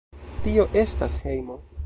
Tio estas hejmo.